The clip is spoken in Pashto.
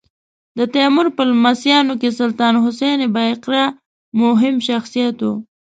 د تیمور په لمسیانو کې سلطان حسین بایقرا مهم شخصیت و.